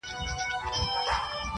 د خپل جېبه د سگريټو يوه نوې قطۍ وا کړه_